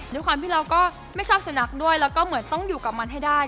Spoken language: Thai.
ด้วยความที่เราก็ไม่ชอบสุนัขด้วยแล้วก็เหมือนต้องอยู่กับมันให้ได้